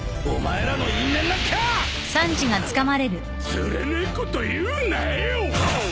つれねえこと言うなよっ！